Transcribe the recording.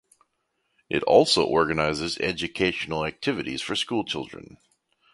It also organises educational activities for school children.